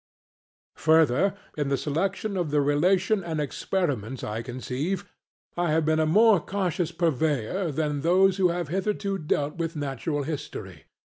Further, in the selection of the relation and experiments I conceive I have been a more cautious purveyor than those who have hitherto dealt with natural history.